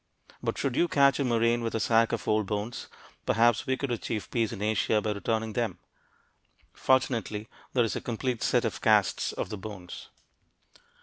But should you catch a Marine with a sack of old bones, perhaps we could achieve peace in Asia by returning them! Fortunately, there is a complete set of casts of the bones.